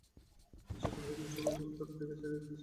কিছুকাল হইতে হিসাবপত্র দেখা ছাড়িয়া দিয়াছিলাম।